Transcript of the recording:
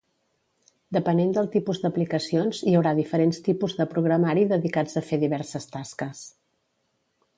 Depenent del tipus d'aplicacions hi haurà diferents tipus de programari dedicats a fer diverses tasques.